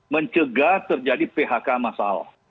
mencegah terjadi phk masal